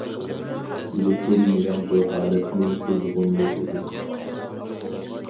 لېكىن مېنىڭ بۇ ھالەتنى بۇزغۇم يوق ئىدى.